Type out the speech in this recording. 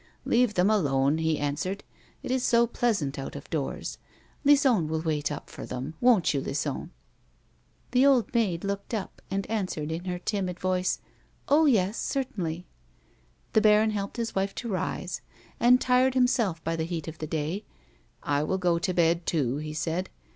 "Leave them alone," he answered; "it is so pleasant out of doors; Lison will wait up for them ; won't you, Lison?" The old maid looked up, and answered in her timid voice : D 50 A WOMAN'S LIFE. " Ob, yes, certainly." The baron helped his wife to rise, and, tired himself by the heat of the day, " 1 will go to bed too," he said.